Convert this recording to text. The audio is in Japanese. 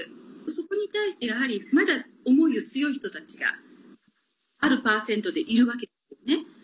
そこに対して、やはりまだ思いが強い人たちがあるパーセントでいるわけですよね。